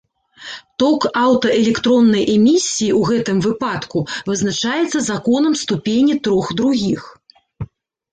Ток аўтаэлектроннай эмісіі ў гэтым выпадку вызначаецца законам ступені трох другіх.